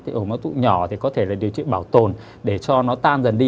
thì ổ máu tụ nhỏ thì có thể là điều trị bảo tồn để cho nó tan dần đi